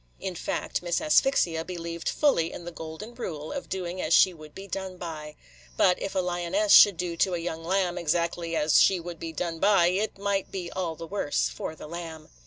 In fact, Miss Asphyxia believed fully in the golden rule of doing as she would be done by; but if a lioness should do to a young lamb exactly as she would be done by, it might be all the worse for the lamb.